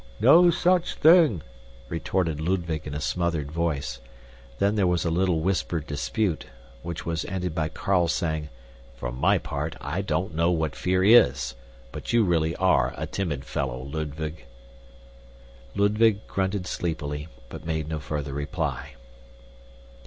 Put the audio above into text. "No such thing," retorted Ludwig in a smothered voice. Then there was a little whispered dispute, which was ended by Carl saying, "For my part, I don't know what fear is. But you really are a timid fellow, Ludwig." Ludwig grunted sleepily, but made no further reply.